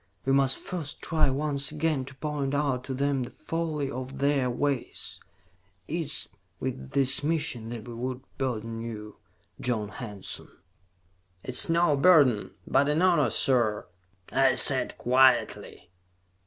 We must first try once again to point out to them the folly of their ways. It is with this mission that we would burden you, John Hanson." "It is no burden, but an honor, sir," I said quietly.